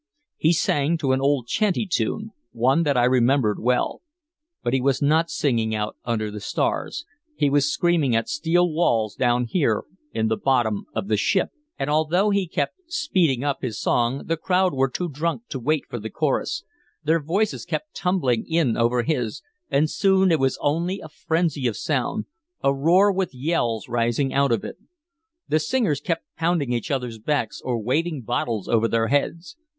He sang to an old "chanty" tune, one that I remembered well. But he was not singing out under the stars, he was screaming at steel walls down here in the bottom of the ship. And although he kept speeding up his song the crowd were too drunk to wait for the chorus, their voices kept tumbling in over his, and soon it was only a frenzy of sound, a roar with yells rising out of it. The singers kept pounding each other's backs or waving bottles over their heads.